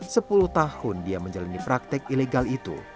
sepuluh tahun dia menjalani praktek ilegal itu